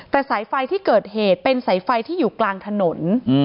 แต่สายไฟที่เกิดเหตุเป็นสายไฟที่อยู่กลางถนน